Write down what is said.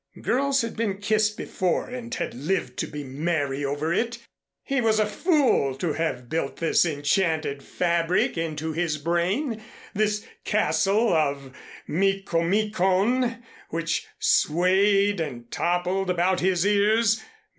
Girls had been kissed before and had lived to be merry over it. He was a fool to have built this enchanted fabric into his brain, this castle of Micomicon which swayed and toppled about his ears.